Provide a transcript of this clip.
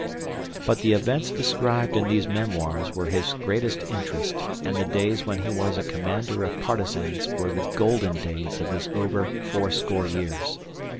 But the events described in these "Memoirs" were his greatest interest and the days when he was a commander of partisans were the golden days of his over fourscore years.